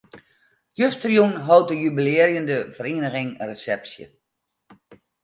Justerjûn hold de jubilearjende feriening in resepsje.